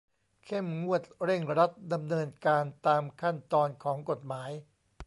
เข้มงวดเร่งรัดดำเนินการตามขั้นตอนของกฎหมาย